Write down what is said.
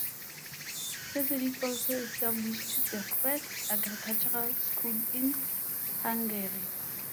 Tessedik also established the first agricultural school in Hungary.